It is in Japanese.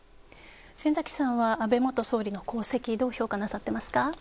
先崎さんは安倍元総理の功績をどう評価なさっていますか？